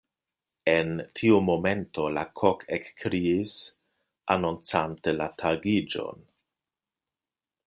En tiu momento la kok ekkriis, anoncante la tagiĝon.